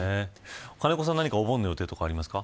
金子さん、何かお盆の予定とかありますか。